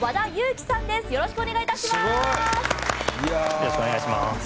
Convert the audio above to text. よろしくお願いします。